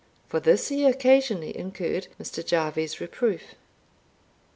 For this he occasionally incurred Mr. Jarvie's reproof.